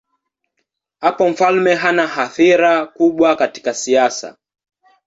Hapo mfalme hana athira kubwa katika siasa.